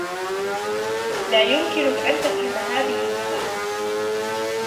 هل يمكنك أن تفهم هذه اللغة؟